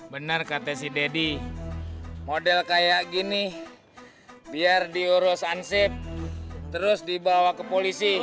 benar kata si deddy model kayak gini biar diurus ansip terus dibawa ke polisi